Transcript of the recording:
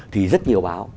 thì rất nhiều báo